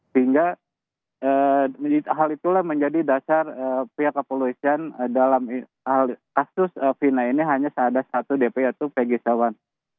sehingga hal itulah menjadi dasar pihak kepolosan dalam kasus vina ini hanya ada satu dpo yaitu peggy setiawan